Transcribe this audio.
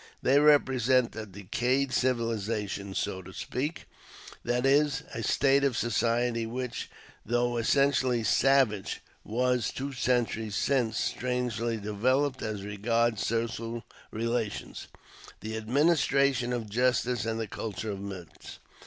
They represent a decayed civilization, so to speak — that is, a state of society which, though essentially savage, w^as, two centuries since, strangely developed as regards social relations — the ad ministration of justice, and the culture of myths.